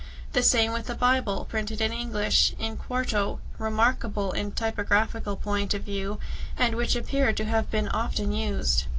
The same with the Bible printed in English, in quarto, remarkable in a typographical point of view, and which appeared to have been often used.